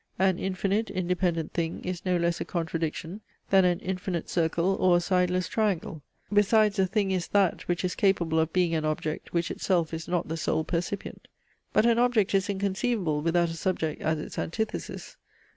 An infinite, independent thing, is no less a contradiction, than an infinite circle or a sideless triangle. Besides a thing is that, which is capable of being an object which itself is not the sole percipient. But an object is inconceivable without a subject as its antithesis.